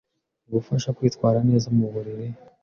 ugufasha kwitwara neza mu buriri